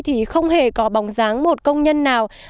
thì không hề có bóng dáng một công nhân nào